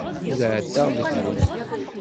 Ur ɛeddaɣ deg-wen.